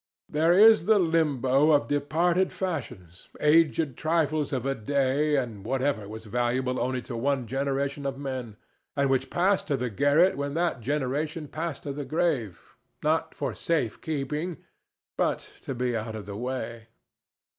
There is the limbo of departed fashions, aged trifles of a day and whatever was valuable only to one generation of men, and which passed to the garret when that generation passed to the grave—not for safekeeping, but to be out of the way.